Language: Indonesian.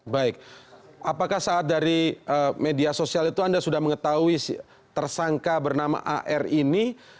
baik apakah saat dari media sosial itu anda sudah mengetahui tersangka bernama ar ini